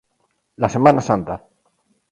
La Semana Santa.